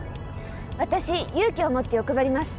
私勇気をもって欲張ります。